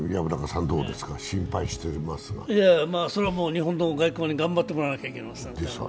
日本の外交に頑張ってもらわなきゃいけません。